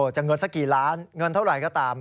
เงินสักกี่ล้านเงินเท่าไหร่ก็ตาม